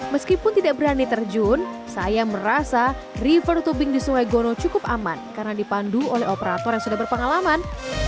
meskipun tidak berani terjun saya merasa river tubing di sungai gono cukup aman karena dipandu oleh operator yang sudah berpengalaman